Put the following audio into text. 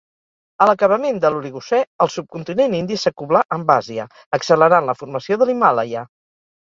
A l'acabament de l'oligocè, el subcontinent indi s'acoblà amb Àsia, accelerant la formació de l'Himàlaia.